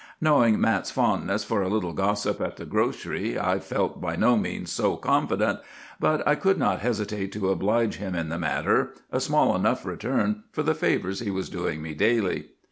"Knowing Mat's fondness for a little gossip at the grocery, I felt by no means so confident; but I could not hesitate to oblige him in the matter, a small enough return for the favors he was doing me daily.